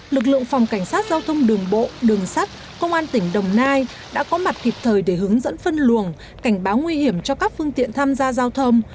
lực lượng phòng cảnh sát giao thông đường bộ đường sắt công an tỉnh đồng nai đã có mặt kịp thời để hướng dẫn phân luồng cảnh báo nguy hiểm cho các phương tiện tham gia giao thông